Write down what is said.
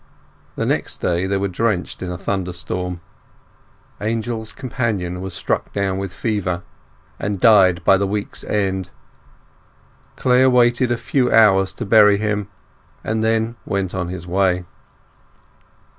The next day they were drenched in a thunder storm. Angel's companion was struck down with fever, and died by the week's end. Clare waited a few hours to bury him, and then went on his way.